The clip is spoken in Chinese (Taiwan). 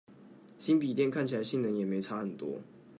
新筆電看起來性能也沒差很多